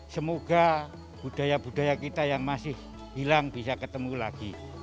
semoga budaya budaya kita yang masih hilang bisa ketemu lagi